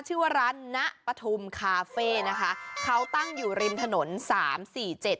ชื่อว่าร้านณปฐุมคาเฟ่นะคะเขาตั้งอยู่ริมถนนสามสี่เจ็ด